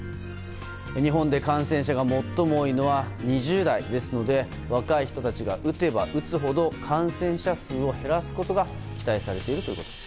日本で感染者が最も多いのは２０代ですので若い人たちが打てば打つほど感染者数を減らすことが期待されているということです。